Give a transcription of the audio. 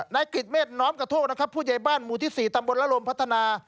กริจเมษน้อมกระโทกนะครับผู้ใหญ่บ้านหมู่ที่๔ตำบลละลมพัฒนา